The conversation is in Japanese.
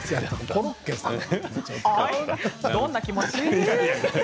今どんな気持ち？